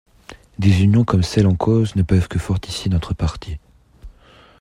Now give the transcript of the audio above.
Des unions comme celle en cause ne peuvent que fortifier notre parti.